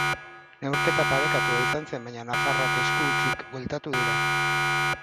Neurketa parekatua izan zen, baina nafarrak esku hutsik bueltatu dira.